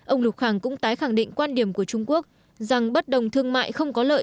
ông lục khẳng cũng tái khẳng định quan điểm của trung quốc rằng bất đồng thương mại không có lợi